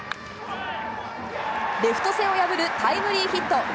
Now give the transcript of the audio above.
レフト線を破るタイムリーヒット。